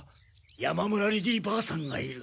山村リリーばあさんがいる。